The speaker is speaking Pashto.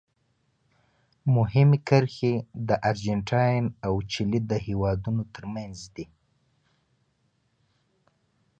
مهمې کرښې د ارجنټاین او چیلي د هېوادونو ترمنځ دي.